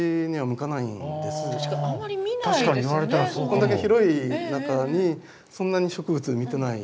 こんだけ広い中にそんなに植物見てない。